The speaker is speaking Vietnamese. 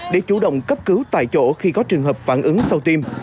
để chủ động cấp cứu tại chỗ khi có trường hợp phản ứng sau tim